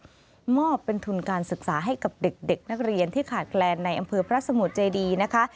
ก็มอบเป็นทุนการศึกษาให้กับเด็กนักเรียนที่ขาดแคลนในอำเภอพระสมุทรเจดีนะคะ